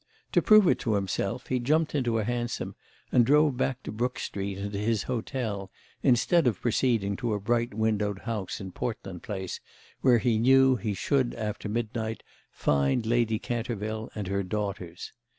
To prove it to himself he jumped into a hansom and drove back to Brook Street and to his hotel instead of proceeding to a bright windowed house in Portland Place where he knew he should after midnight find Lady Canterville and her daughters.